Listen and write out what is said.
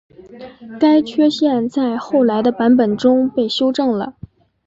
该缺陷在后来的版本中被修正了。